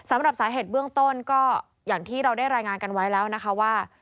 สำหรับสาเหตุเบื้องต้นก็อย่างที่เราได้รายงานกันไว้แล้วนะคะว่า